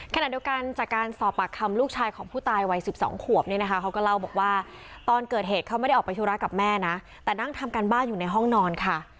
ขณะเดียวกันจากการสอบปากคำลูกชายของผู้ตายวัย๑๒ขวบเนี่ยนะคะเขาก็เล่าบอกว่าตอนเกิดเหตุเขาไม่ได้ออกไปธุระกับแม่นะแต่นั่งทำการบ้านอยู่ในห้องนอนค่ะ